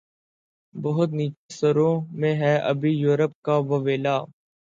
بہت نیچے سروں میں ہے ابھی یورپ کا واویلا